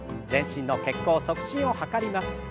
全身の血行促進を図ります。